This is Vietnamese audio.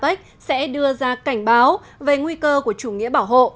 phương apec sẽ đưa ra cảnh báo về nguy cơ của chủ nghĩa bảo hộ